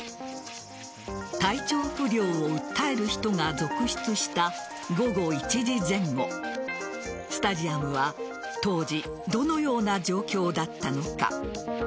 体調不良を訴える人が続出した午後１時前後スタジアムは当時どのような状況だったのか。